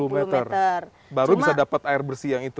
dua puluh meter baru bisa dapat air bersih yang itu